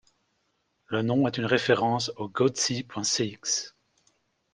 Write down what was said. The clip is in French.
Le nom est une référence au Goatse.cx.